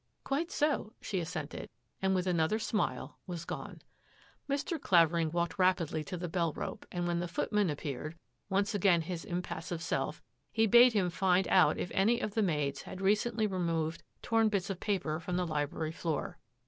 " Quite so," she assented, and with another smile, was gone. Mr. Clavering walked rapidly to the bell rope, and when the footman appeared, once again his impassive self, he bade him find out if any of the m€dds had recently removed torn bits of paper from the library floor.